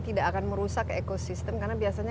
tidak akan merusak ekosistem karena biasanya